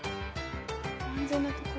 安全なところ。